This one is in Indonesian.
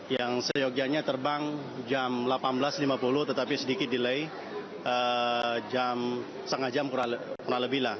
yang seyogianya terbang jam delapan belas lima puluh tetapi sedikit delay jam setengah jam kurang lebih lah